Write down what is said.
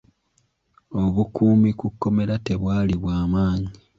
Obukuumi ku komera tebwali bw'amaanyi.